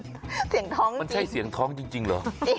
เสียงท้องมันใช่เสียงท้องจริงเหรอ